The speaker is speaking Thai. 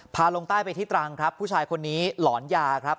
ลงใต้ไปที่ตรังครับผู้ชายคนนี้หลอนยาครับ